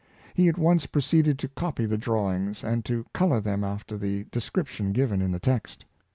He at once proceeded to cop}^ the drawings, and to color them after the description given in the text.